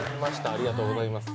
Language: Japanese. ありがとうございます。